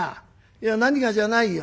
いや何がじゃないよ。